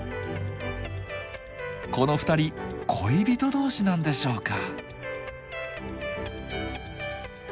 この２人恋人同士なんでしょうか？